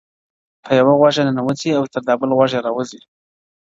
o په يوه غوږ ئې ننوزي، تر دا بل غوږ ئې راوزي!